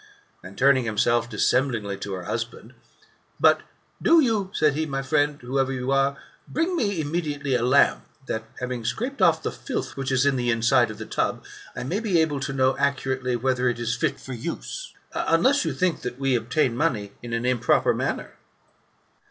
And turning himself dis semblingly to her husband, '' But do you," said he, " my friend, whoever you are, bring me immediately a lamp, that, having scraped off the filth which is in the inside of the tub, I may be able to know accurately whether it is fit for use, unless you think that we obtain money in an improper manner.''